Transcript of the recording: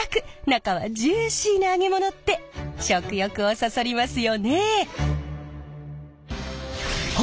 中はジューシーな揚げ物って食欲をそそりますよね。